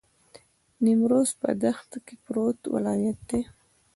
نیمروز په دښت کې پروت ولایت دی.